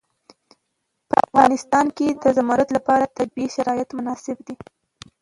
په افغانستان کې د زمرد لپاره طبیعي شرایط مناسب دي.